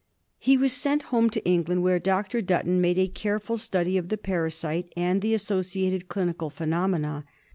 He was sent home to England, where Dr. Dutton made a careful study of the parasite and of the associated clinical phenomena.